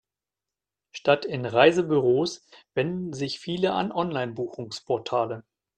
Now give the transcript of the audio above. Statt an Reisebüros wenden sich viele an Online-Buchungsportale.